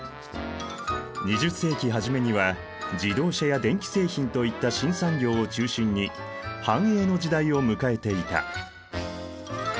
２０世紀初めには自動車や電気製品といった新産業を中心に繁栄の時代を迎えていた。